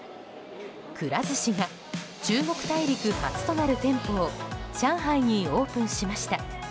くら寿司が中国大陸初となる店舗を上海にオープンしました。